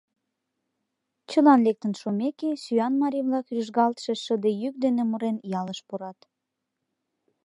Чылан лектын шумеке, сӱан марий-влак, рӱжгалтше шыде йӱк дене мурен, ялыш пурат: